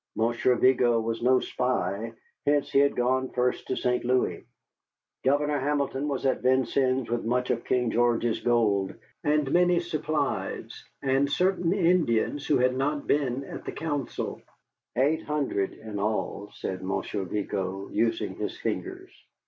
Monsieur Vigo was no spy, hence he had gone first to St. Louis. Governor Hamilton was at Vincennes with much of King George's gold, and many supplies, and certain Indians who had not been at the council. Eight hundred in all, said Monsieur Vigo, using his fingers.